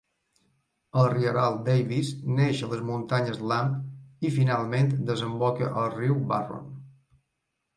El rierol Davies neix a les muntanyes Lamb i finalment desemboca al riu Barron.